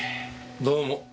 どうも。